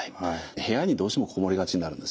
部屋にどうしても籠もりがちになるんですよね。